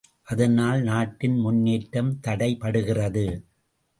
அதனால், நாட்டின் முன்னேற்றம் தடைப்படுகிறது.